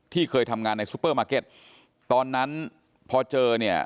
เคยทำงานในซูเปอร์มาร์เก็ตตอนนั้นพอเจอเนี่ย